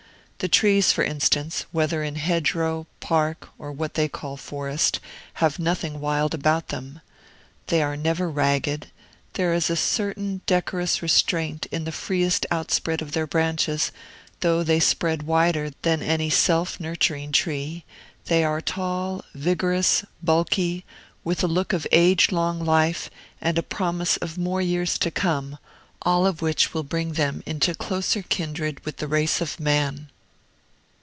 The trees, for instance, whether in hedge row, park, or what they call forest, have nothing wild about them. They are never ragged; there is a certain decorous restraint in the freest outspread of their branches, though they spread wider than any self nurturing tree; they are tall, vigorous, bulky, with a look of age long life, and a promise of more years to come, all of which will bring them into closer kindred with the race of man.